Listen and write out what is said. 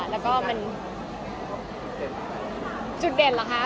แล้วก็มันจุดเด่นเหรอคะ